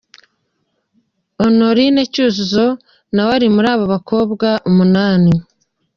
Honorine Cyuzuzo nawe ari muri aba bakobwa umunani.